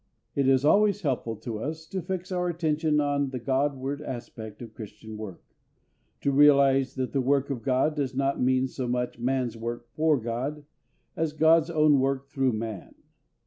It is always helpful to us to fix our attention on the GOD ward aspect of Christian work; to realise that the work of GOD does not mean so much man's work for GOD, as GOD'S own work through man.